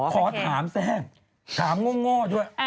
๊คือถามแซ่งถามง่อด้วย